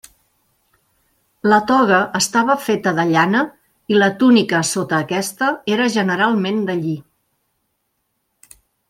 La toga estava feta de llana, i la túnica sota aquesta era generalment de lli.